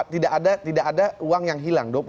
tidak ada uang yang hilang